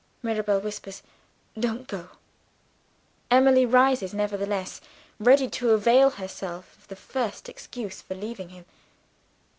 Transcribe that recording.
Mirabel whispers, "Don't go!" Emily rises nevertheless ready to avail herself of the first excuse for leaving him.